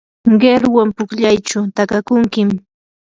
qiruwan pukllaychu takakunkim.